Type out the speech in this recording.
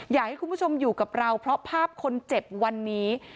อยากให้คุณผู้ชมอยู่กับเราเพราะภาพคนเจ็บวันนี้